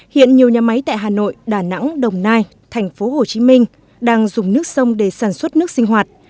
hiện nhiều nhà máy tại hà nội đà nẵng đồng nai thành phố hồ chí minh đang dùng nước sông để sản xuất nước sinh hoạt